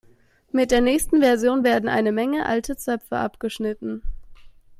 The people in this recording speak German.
Mit der nächsten Version werden eine Menge alte Zöpfe abgeschnitten.